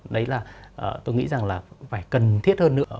đấy là tôi nghĩ rằng là phải cần thiết hơn nữa